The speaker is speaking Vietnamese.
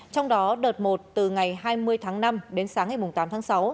trong đó đợt một từ ngày hai mươi tháng năm